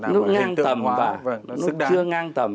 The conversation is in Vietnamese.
nó chưa ngang tầm